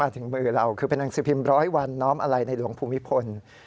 ถึงมือเราคือเป็นหนังสือพิมพ์ร้อยวันน้อมอะไรในหลวงภูมิพล